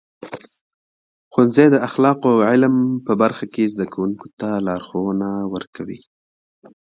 ښوونځي د اخلاقو او علم په برخه کې زده کوونکو ته لارښونه ورکوي.